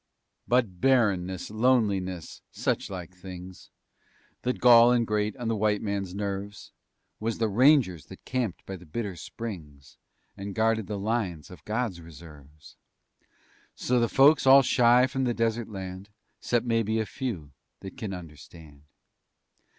But Barrenness, Loneliness, suchlike things That gall and grate on the White Man's nerves, Was the rangers that camped by the bitter springs And guarded the lines of God's reserves. So the folks all shy from the desert land, 'Cept mebbe a few that kin understand.